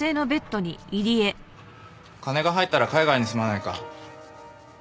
金が入ったら海外に住まないか？